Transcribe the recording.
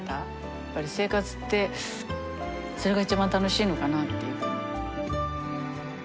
やっぱり生活ってそれが一番楽しいのかなっていう。